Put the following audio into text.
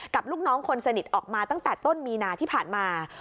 ลูกน้องคนสนิทออกมาตั้งแต่ต้นมีนาที่ผ่านมา